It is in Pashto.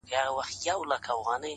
د وخت څپه تېرېږي ورو,